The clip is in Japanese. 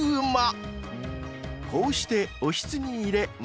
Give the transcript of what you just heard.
［こうしておひつに入れまぶす］